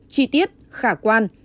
chi tiết khả quan